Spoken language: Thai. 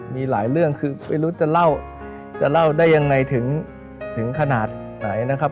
มีหลายเรื่องคือไม่รู้จะเล่าจะเล่าได้ยังไงถึงขนาดไหนนะครับ